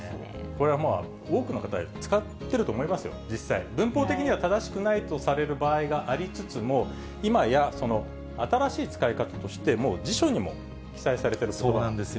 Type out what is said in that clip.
これは、多くの方、使ってると思いますよ、実際、文法的には正しくないとされる場合がありつつも、いまや、新しい使い方として、もう辞書にも記載されているそうなんです。